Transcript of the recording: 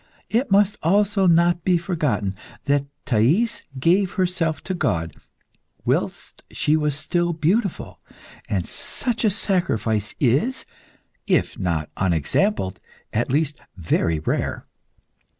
It must also not be forgotten that Thais gave herself to God whilst she was still beautiful, and such a sacrifice is, if not unexampled, at least very rare.